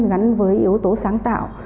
gắn với yếu tố sáng tạo